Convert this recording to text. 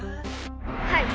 はい。